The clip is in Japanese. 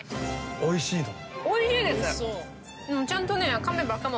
おいしいの？